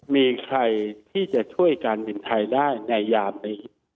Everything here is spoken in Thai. มีใครที่จะช่วยการบินไทยได้ในยามนี้